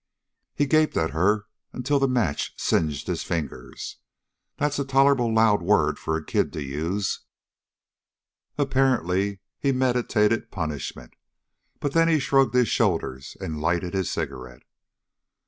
He gaped at her until the match singed his fingers. "That's a tolerable loud word for a kid to use!" Apparently he meditated punishment, but then he shrugged his shoulders and lighted his cigarette.